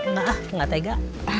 maaf enggak tega